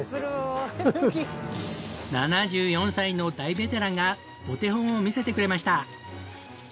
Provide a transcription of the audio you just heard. ７４歳の大ベテランがお手本を見せてくれました！